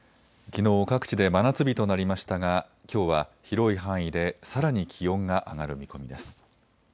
きのう各地で真夏日となりましたが、きょうは広い範囲でさらに気温が上がる見込みです。